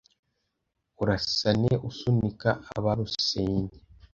urasane usunika abarusenye